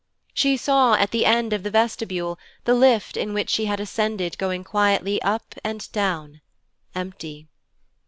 She saw, at the end of the vestibule, the lift in which she had ascended going quietly up and down, empty.